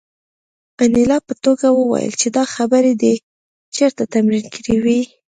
انیلا په ټوکه وویل چې دا خبرې دې چېرته تمرین کړې وې